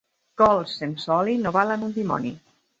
Cols sense oli no valen un dimoni.